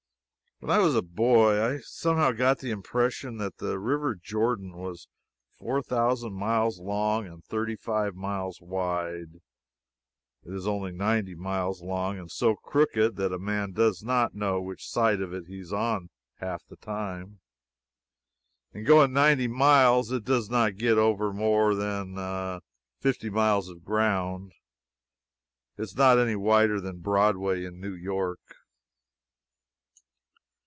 When I was a boy I somehow got the impression that the river Jordan was four thousand miles long and thirty five miles wide. It is only ninety miles long, and so crooked that a man does not know which side of it he is on half the time. In going ninety miles it does not get over more than fifty miles of ground. It is not any wider than Broadway in New York.